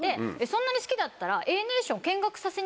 そんなに好きだったら。